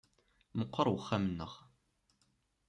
Meqqer uxxam-nneɣ.